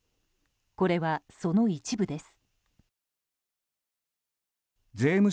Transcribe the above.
これはその一部です。